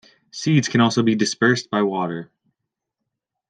Seeds can also be dispersed by water.